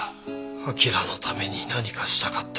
アキラのために何かしたかった。